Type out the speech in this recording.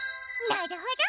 なるほど！